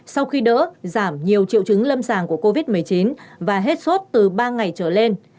sau khi đỡ giảm nhiều triệu chứng lâm sàng của covid một mươi chín và hết sốt từ ba ngày trở lên